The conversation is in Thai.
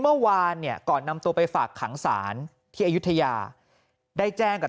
เมื่อวานเนี่ยก่อนนำตัวไปฝากขังศาลที่อายุทยาได้แจ้งกับ